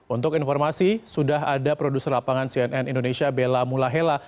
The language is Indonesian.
untuk informasi sudah ada produser lapangan cnn indonesia bella mulahela